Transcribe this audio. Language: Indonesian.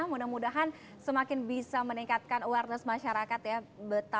mudah mudahan semakin bisa meningkatkan awareness masyarakat ya betapa pentingnya untuk menjaga kesehatan